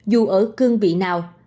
dù ở cương vị nào